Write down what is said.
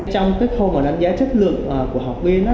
trong cái khâu đánh giá chất lượng của học viên